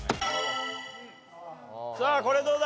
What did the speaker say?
さあこれどうだ？